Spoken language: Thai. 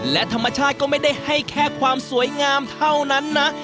และธรรมชาติก็ไม่ได้ให้แค่ความสวยงามเท่านั้นนะ